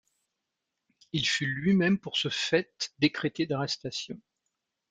Il fut lui-même pour ce fait décrété d'arrestation.